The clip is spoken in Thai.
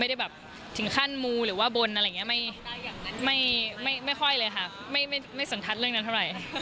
ได้แบบถึงขั้นมูหรือว่าบนอะไรอย่างนี้ไม่ค่อยเลยค่ะไม่สนทัศน์เรื่องนั้นเท่าไหร่